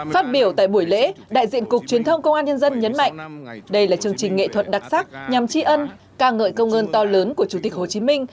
phát biểu tại buổi lễ đại diện cục truyền thông công an nhân dân nhấn mạnh đây là chương trình nghệ thuật đặc sắc nhằm tri ân ca ngợi công ơn to lớn của chủ tịch hồ chí minh